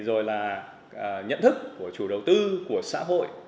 rồi là nhận thức của chủ đầu tư của xã hội